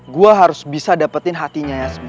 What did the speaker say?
gue harus bisa dapetin hatinya ya